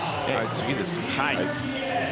次です。